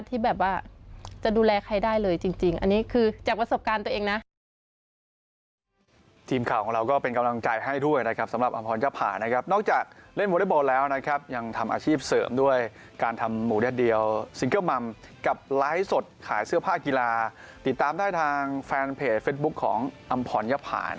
ที่แบบว่าจะดูแลใครได้เลยจริงอันนี้คือจากประสบการณ์ตัวเองนะ